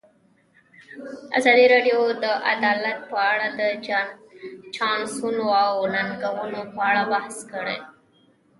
ازادي راډیو د عدالت په اړه د چانسونو او ننګونو په اړه بحث کړی.